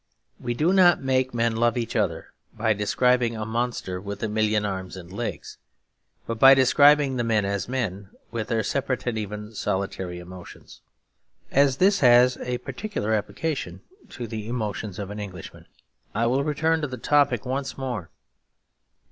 We do not make men love each other by describing a monster with a million arms and legs, but by describing the men as men, with their separate and even solitary emotions. As this has a particular application to the emotions of the Englishman, I will return to the topic once more.